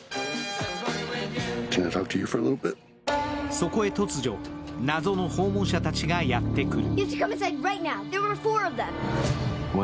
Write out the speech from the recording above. そこへ突如、謎の訪問者たちがやってくる。